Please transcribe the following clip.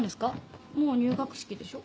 もう入学式でしょ？